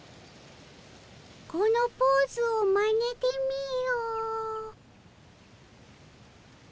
このポーズをまねてみよ。